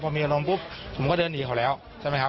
พอมีอารมณ์ปุ๊บผมก็เดินหนีเขาแล้วใช่ไหมครับ